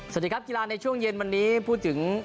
สวัสดีครับกีฬาในช่วงเย็นวันนี้พูดถึง